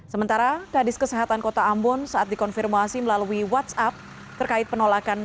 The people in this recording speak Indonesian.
sementara kadis kesehatan kota ambon saat dikonfirmasi melalui whatsapp terkait penolakan